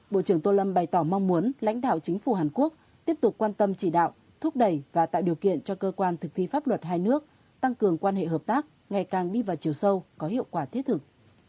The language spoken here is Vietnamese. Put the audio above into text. bộ trưởng tô lâm bày tỏ mong muốn lãnh đạo chính phủ hàn quốc tiếp tục quan tâm chỉ đạo thúc đẩy và tạo điều kiện cho cơ quan thực thi pháp luật hai nước tăng cường quan hệ hợp tác ngày càng đi vào chiều sâu có hiệu quả thiết thực